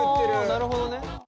あなるほどね。